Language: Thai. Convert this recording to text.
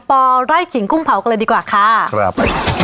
ปไร่ขิงกุ้งเผากันเลยดีกว่าค่ะครับ